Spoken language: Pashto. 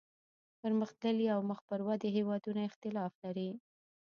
پرمختللي او مخ پر ودې هیوادونه اختلاف لري